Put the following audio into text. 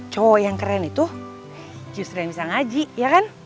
cowok yang keren itu justru yang bisa ngaji ya kan